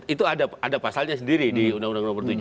itu ada pasalnya sendiri di undang undang nomor tujuh